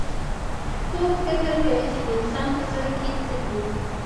څوک فکر کوي چې د انسان پهزړه کي څه دي